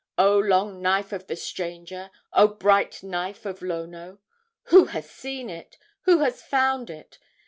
O long knife of the stranger, O bright knife of Lono! Who has seen it? Who has found it?